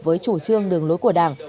với chủ trương đường lối của đảng